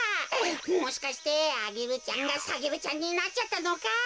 もしかしてアゲルちゃんがサゲルちゃんになっちゃったのか？